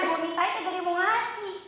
gue minta itu dari mau ngasih